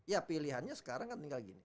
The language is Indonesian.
ya pilihannya sekarang kan tinggal gini